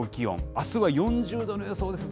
あすは４０度の予想です。